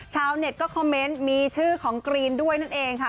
ชาวเน็ตก็คอมเมนต์มีชื่อของกรีนด้วยนั่นเองค่ะ